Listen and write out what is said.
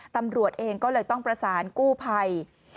ตำรวจเองก็เลยต้องประสานกู้ภัย